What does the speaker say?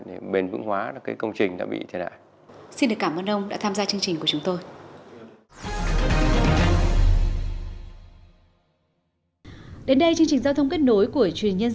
để bền vững hóa cái công trình đã bị thiệt hại